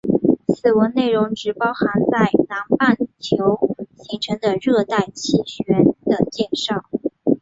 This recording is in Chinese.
此文内容只包含在南半球形成的热带气旋的介绍。